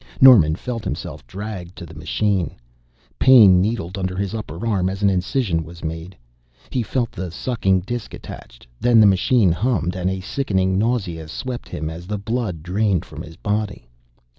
Norman felt himself dragged to the machine. Pain needled his upper arm as an incision was made. He felt the sucking disk attached; then the machine hummed, and a sickening nausea swept him as the blood drained from his body.